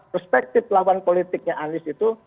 perspektif lawan politiknya anies itu